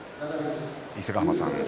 伊勢ヶ濱さん